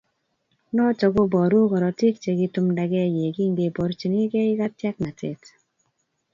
Notok kobooru korotiik chekitumdage ye kingeborchinigei katyaknatet.